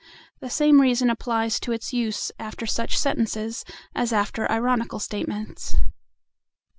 The same reason applies to its use after such sentences as after ironical statements.